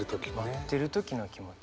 待ってる時の気持ち。